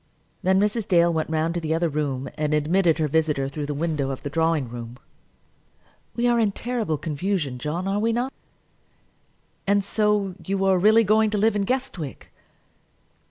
Then Mrs. Dale went round to the other room, and admitted her visitor through the window of the drawing room. "We are in terrible confusion, John, are we not?" "And so you are really going to live in Guestwick?"